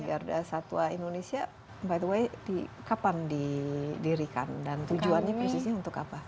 garda satwa indonesia by the way kapan didirikan dan tujuannya khususnya untuk apa